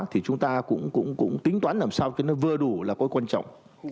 thì chúng ta cũng tính toán làm sao cho nó vừa đủ là cái quan trọng